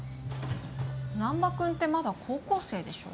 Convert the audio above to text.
難破君ってまだ高校生でしょ？